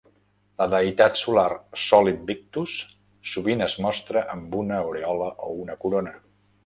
La deïtat solar Sol Invictus sovint es mostra amb una aureola o una corona.